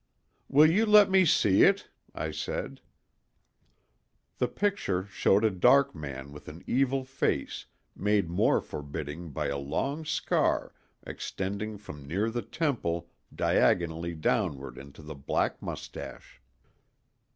"Will you let me see it?" I said. The picture showed a dark man with an evil face made more forbidding by a long scar extending from near the temple diagonally downward into the black mustache.